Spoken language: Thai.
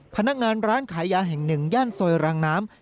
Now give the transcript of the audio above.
พนักงานร้านขายยาแห่งหนึ่งย่านซอยรางน้ำ